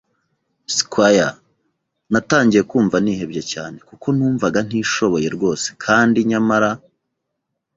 squire. Natangiye kumva nihebye cyane, kuko numvaga ntishoboye rwose; kandi nyamara,